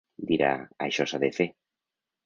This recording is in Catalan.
Dirà: això s’ha de fer.